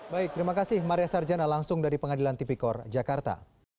baik terima kasih maria sarjana langsung dari pengadilan tipikor jakarta